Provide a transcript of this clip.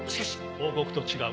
報告と違う。